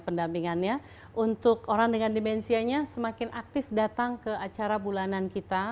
pendampingannya untuk orang dengan dimensianya semakin aktif datang ke acara bulanan kita